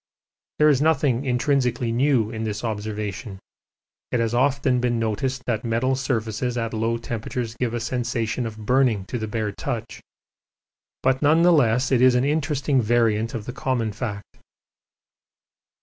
There is nothing intrinsically new in this observation; it has often been noticed that metal surfaces at low temperatures give a sensation of burning to the bare touch, but none the less it is an interesting variant of the common fact.